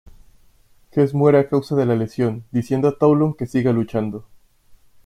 Hess muere a causa de la lesión, diciendo a Toulon que siga luchando.